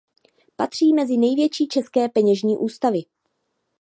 Patří mezi největší české peněžní ústavy.